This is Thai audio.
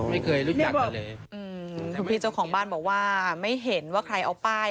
ไม่เคยรู้จักกันเลยอืมคุณพี่เจ้าของบ้านบอกว่าไม่เห็นว่าใครเอาป้าย